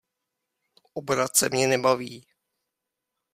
Obrace mě nebaví.